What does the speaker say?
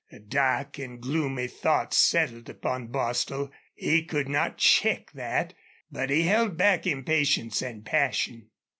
A dark and gloomy thought settled upon Bostil. He could not check that, but he held back impatience and passion.